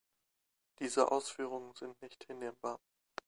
Diese Ausführungen sind nicht hinnehmbar.